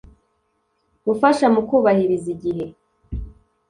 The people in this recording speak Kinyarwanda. - gufasha mu kubahiriza igihe.